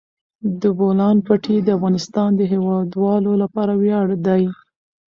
د بولان پټي د افغانستان د هیوادوالو لپاره ویاړ دی.